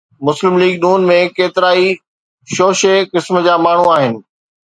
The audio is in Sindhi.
مسلم ليگ (ن) ۾ ڪيترائي شوشي قسم جا ماڻهو آهن.